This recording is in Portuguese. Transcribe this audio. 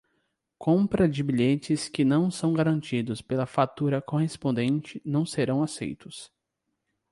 Compra de bilhetes que não são garantidos pela fatura correspondente não serão aceitos.